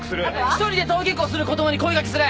一人で登下校する子供に声掛けする